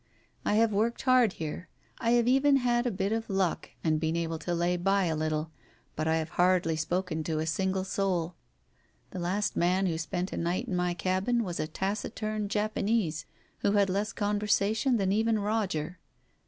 I have worked hard here, I have even had a bit of luck and been able to lay by a little, but I have hardly Digitized by Google 194 TALES OF THE UNEASY spoken to a single soul. The last man who spent a night in my cabin was a taciturn Japanese who had less con versation than even Roger.